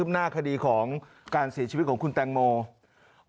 เชิญฉ่าว่าความขึ้นหน้าคดีของการเสียชีวิตของคุณแตงโมวม